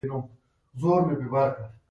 ټپي سړی د درد احساس کوي.